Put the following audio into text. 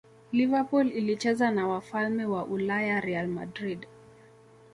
liverpool ilicheza na wafalme wa ulaya real madrid